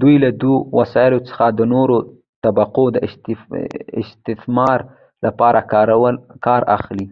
دوی له دې وسایلو څخه د نورو طبقو د استثمار لپاره کار اخلي.